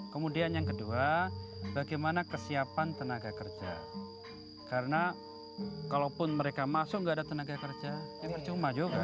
kemudian yang kedua bagaimana kesiapan tenaga kerja karena kalaupun mereka masuk nggak ada tenaga kerja ya percuma juga